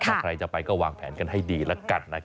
ถ้าใครจะไปก็วางแผนกันให้ดีแล้วกัน